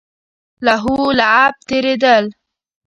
لهو لعب تېرېدل.